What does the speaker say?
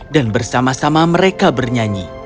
dan bersama sama mereka bernyanyi